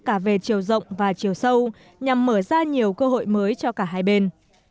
cả về chiều rộng và chiều sâu nhằm mở ra nhiều cơ hội mới cho cả hai bên